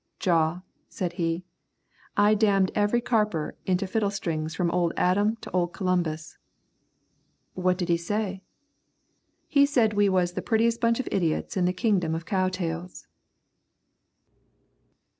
"Jaw," said he. "I damned every Carper into fiddlestrings from old Adam to old Columbus." "What did he say?" "He said we was the purtiest bunch of idiots in the kingdom of cowtails."